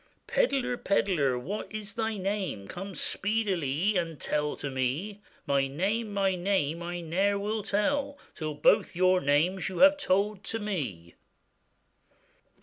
'Pedlar, pedlar! what is thy name? Come speedilie and tell to me.' 'My name! my name, I ne'er will tell, Till both your names you have told to me.